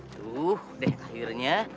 tuh deh akhirnya